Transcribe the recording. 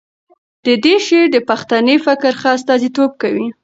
د ده شعر د پښتني فکر ښه استازیتوب کوي.